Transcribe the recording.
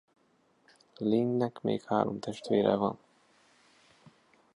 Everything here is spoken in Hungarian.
Lene-nek még három testvére van.